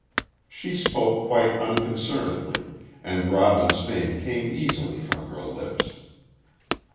She spoke quite unconcernedly, and Robin's name came easily from her lips.